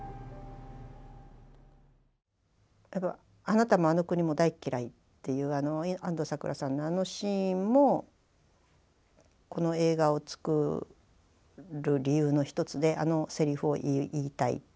「あなたもあの国も大っ嫌い！」っていう安藤サクラさんのあのシーンもこの映画を作る理由の一つであのセリフを言いたいっていう。